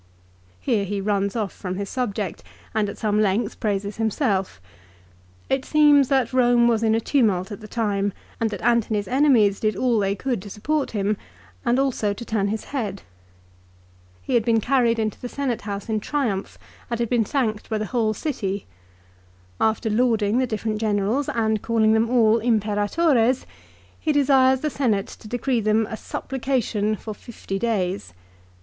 Here he runs off from his subject and at some length praises himself. It seems that Borne was in a tumult at the time, and that Antony's enemies did all they could to support him, and also to turn his head. He had been carried into the Senate house in triumph, and had been thanked by the whole city. After lauding the different generals, and calling them all " Imperatores," he desires the Senate to decree them a " supplication " for fifty days.